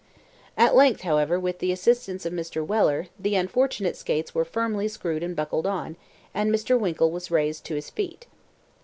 At length, however, with the assistance of Mr. Weller, the unfortunate skates were firmly screwed and buckled on, and Mr. Winkle was raised to his feet.